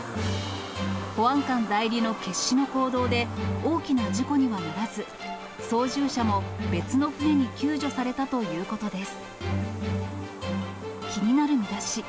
保安官代理の決死の行動で、大きな事故にはならず、操縦者も別の船に救助されたということです。